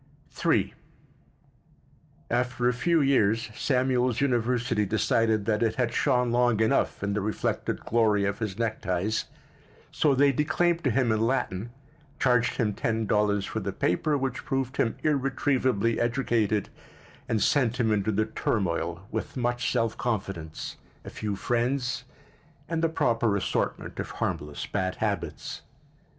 III After a few years Samuel's university decided that it had shone long enough in the reflected glory of his neckties, so they declaimed to him in Latin, charged him ten dollars for the paper which proved him irretrievably educated, and sent him into the turmoil with much self confidence, a few friends, and the proper assortment of harmless bad habits.